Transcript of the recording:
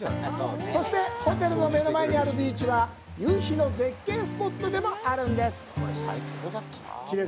そして、ホテルの目の前にあるビーチは夕日の絶景スポットでもあるんです。